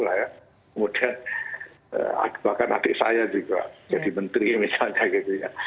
saya kemudian bahkan adik saya juga jadi menteri misalnya